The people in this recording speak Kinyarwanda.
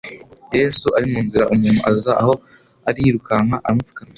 Yesu ari mu nzira, umuntu aza aho ari yirukanka, aramupfukamira,